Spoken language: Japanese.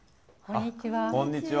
こんにちは。